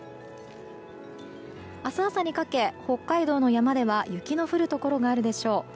明日朝にかけ北海道の山では雪の降るところがあるでしょう。